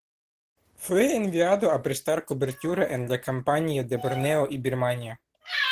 Fue enviado a prestar cobertura en la Campaña de Borneo y Birmania.